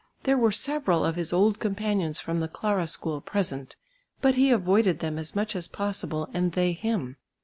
There were several of his old companions from the Clara School present, but he avoided them as much as possible and they him.